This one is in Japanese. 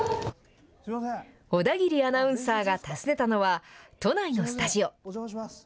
小田切アナウンサーが訪ねたのは、都内のスタジオ。